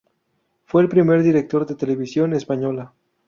Fue el primer director de Televisión Española.